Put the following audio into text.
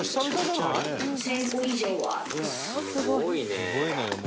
すごいね。